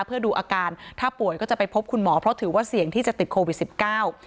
เพื่อดูอาการถ้าป่วยก็จะไปพบคุณหมอเพราะถือว่าเสี่ยงที่จะติดโควิดสิบเก้า